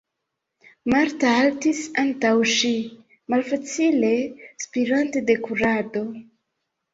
Marta haltis antaŭ ŝi, malfacile spirante de kurado.